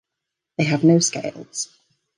They have no scales.